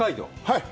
はい。